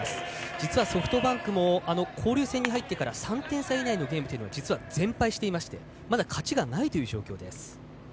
実はソフトバンクの交流戦に入ってから３点差以内のゲームは全敗していましてまだ勝ちがない状況です。